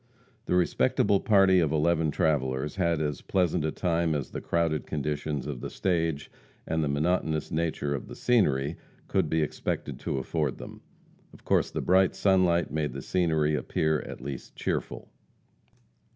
The respectable party of eleven travellers had as pleasant a time as the crowded condition of the stage and the monotonous nature of the scenery could be expected to afford them. Of course the bright sunlight made the scenery appear at least cheerful.